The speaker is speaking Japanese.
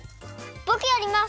ぼくやります！